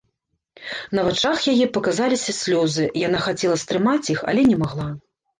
На вачах яе паказаліся слёзы, яна хацела стрымаць іх, але не магла.